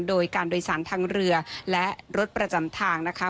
โดยการโดยสารทางเรือและรถประจำทางนะคะ